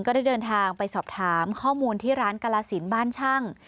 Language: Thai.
ได้เดินทางไปสอบถามข้อมูลที่ร้านกาลสินบ้านช่าง